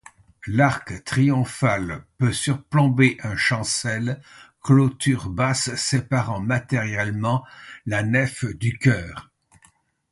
L’arc triomphal peut surplomber un chancel, clôture basse séparant matériellement la nef du chœur.